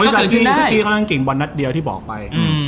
แมนเจกตี้นี่ก็ล่างกิ่งบ่นนัดเดียวที่บอกไป